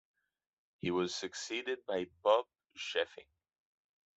He was succeeded by Bob Scheffing.